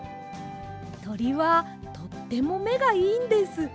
とりはとってもめがいいんです。